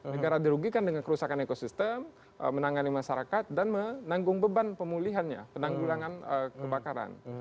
negara dirugikan dengan kerusakan ekosistem menangani masyarakat dan menanggung beban pemulihannya penanggulangan kebakaran